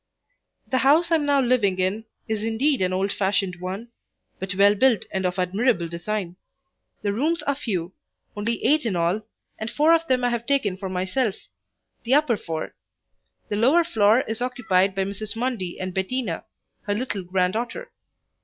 The house I am now living in is indeed an old fashioned one, but well built and of admirable design. The rooms are few only eight in all and four of them I have taken for myself the upper four. The lower floor is occupied by Mrs. Mundy and Bettina, her little granddaughter.